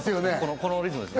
このリズムですね。